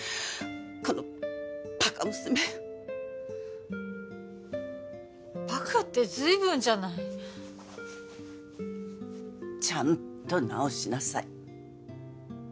このバカ娘バカってずいぶんじゃないちゃんと治しなさい